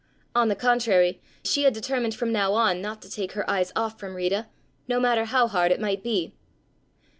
On the contrary she had determined from now on not to take her eyes off from Rita, no matter how hard it might be.